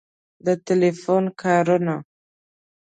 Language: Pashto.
د ټیلیفون کارونه